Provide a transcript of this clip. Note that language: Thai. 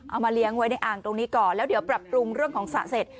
เอามาเลี้ยงไว้ในอ่างตรงนี้ก่อนแล้วเดี๋ยวปรับปรุงเรื่องของสระเสร็จ